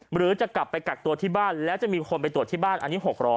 หรือจะกลับไปกักตัวที่บ้านแล้วจะมีคนไปตรวจที่บ้านอันนี้๖๐๐